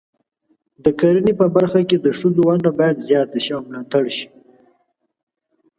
د کرنې په برخه کې د ښځو ونډه باید زیاته شي او ملاتړ شي.